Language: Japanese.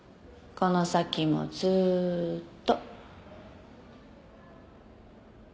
この先もずーっと。